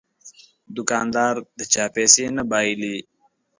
دوکاندار د چا پیسې نه بایلي.